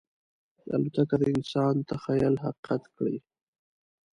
الوتکه د انسان تخیل حقیقت کړی.